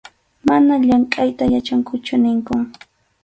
Manam llamkʼayta yachankuchu ninkun.